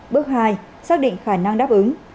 bước hai xác định khả năng đáp ứng